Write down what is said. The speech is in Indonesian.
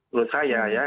menurut saya ya